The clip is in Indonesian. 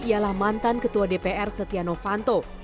ialah mantan ketua dpr setianofanto